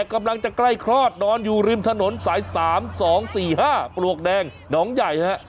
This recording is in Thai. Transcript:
กำลังจะใกล้คลอดนอนอยู่ริมถนนสาย๓๒๔๕ปลวกแดงหนองใหญ่ฮะ